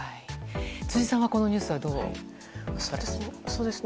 辻さんはこのニュースは、どうですか？